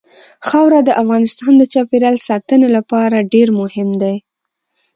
خاوره د افغانستان د چاپیریال ساتنې لپاره ډېر مهم دي.